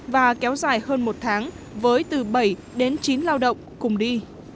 và kéo dài hơn một tháng với từ bảy đến chín lao động cùng đi